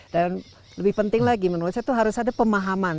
dan lebih penting lagi menurut saya itu harus ada pemahaman